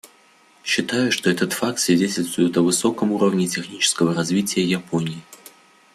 Считаю, что этот факт свидетельствует о высоком уровне технического развития Японии.